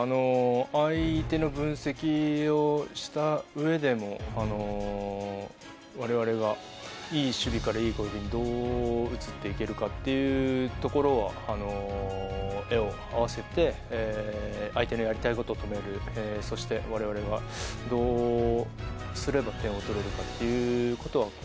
相手の分析をした上でのわれわれがいい守備からいい攻撃へどう移っていけるかというところは絵を合わせて相手のやりたいことを決めてそしてわれわれがどうすれば点が取れるかということ。